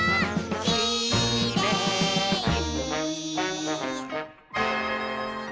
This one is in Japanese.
「きれい」